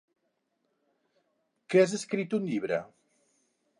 Que has escrit un llibre?